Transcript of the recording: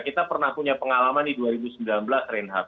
kita pernah punya pengalaman di dua ribu sembilan belas reinhardt